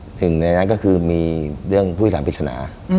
หนึ่งในนั้นก็คือมีเรื่องภูติศาสตร์พิษณะ